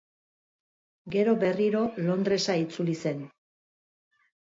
Gero berriro Londresa itzuli zen.